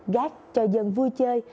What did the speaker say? gác cho dân vui chơi